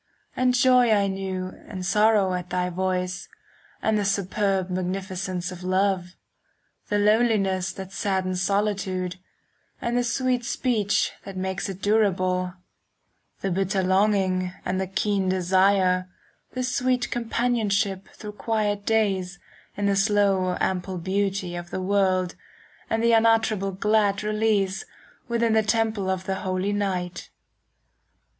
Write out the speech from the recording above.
And joy I knew and sorrow at thy voice, And the superb magnificence of love,— The loneliness that saddens solitude, 10 And the sweet speech that makes it durable,— The bitter longing and the keen desire, The sweet companionship through quiet days In the slow ample beauty of the world, And the unutterable glad release 15 Within the temple of the holy night.